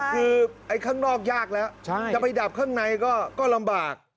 คือไอ้ข้างนอกยากแล้วจะไปดับข้างในก็ลำบาก